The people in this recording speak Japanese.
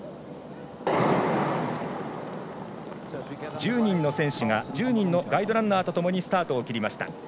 １０人の選手が１０人のガイドランナーとともにスタートを切りました。